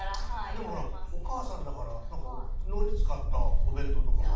でもほらお母さんだからなんかのり使ったお弁当とかは？